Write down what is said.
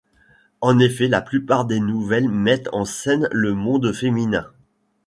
En effet, la plupart des nouvelles mettent en scène le monde féminin.